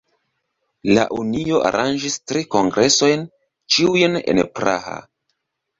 La Unio aranĝis tri kongresojn, ĉiujn en Praha.